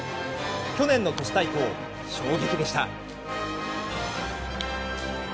去年の都市対抗、衝撃でした。